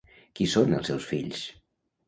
Qui són els seus fills?